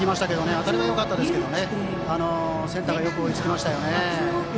当たりはよかったですけどセンターがよく追いつきました。